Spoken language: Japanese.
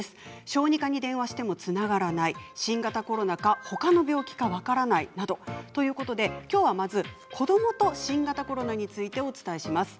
小児科に電話してもつながらない新型コロナか、ほかの病気か分からないなときょうはまず子どもと新型コロナについてお伝えします。